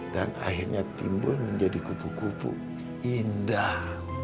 dan akhirnya timbul menjadi kupu kupu indah